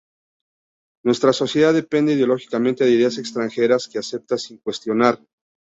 Nuestra sociedad depende ideológicamente de ideas extranjeras que acepta sin cuestionar.